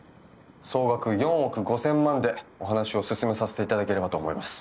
総額４億５，０００万でお話を進めさせていただければと思います。